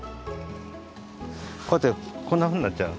こうやってこんなふうになっちゃう。